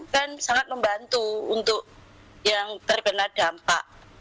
kan sangat membantu untuk yang terkena dampak